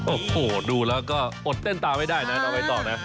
โอ้โฮดูแล้วก็อดเต้นตาไม่ได้นะเราไปต่อนะ